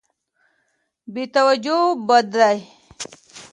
بې توجهي بد دی.